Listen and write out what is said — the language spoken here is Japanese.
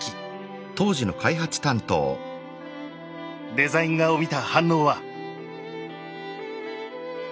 デザイン画を見た反応は。